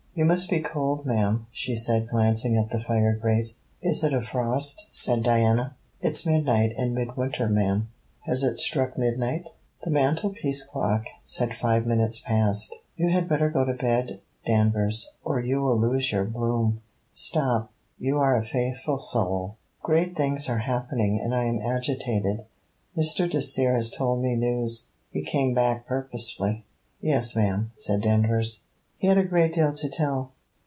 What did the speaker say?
'You must be cold, ma'am,' she said, glancing at the fire grate. 'Is it a frost?' said Diana. 'It's midnight and midwinter, ma'am.' 'Has it struck midnight?' The mantel piece clock said five minutes past. 'You had better go to bed, Danvers, or you will lose your bloom. Stop; you are a faithful soul. Great things are happening and I am agitated. Mr. Dacier has told me news. He came back purposely.' 'Yes, ma'am,' said Danvers. 'He had a great deal to tell?'